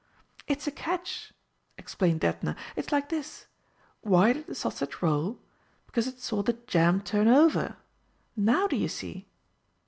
"It's a catch," explained Edna. "It's like this. Why did the sausage roll? Because it saw the jam turnover. Now do you see?"